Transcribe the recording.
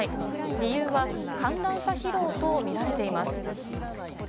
理由は寒暖差疲労とみられています。